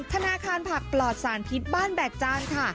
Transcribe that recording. ธนาคารผักปลอดสารพิษบ้านแบกจานค่ะ